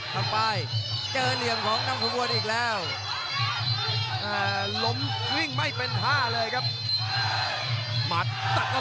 ถึงแม้ว่าวงนอก